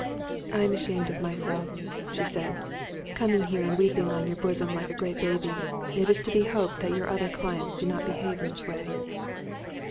"I am ashamed of myself," she said, "coming here and weeping on your bosom like a great baby. It is to be hoped that your other clients do not behave in this way."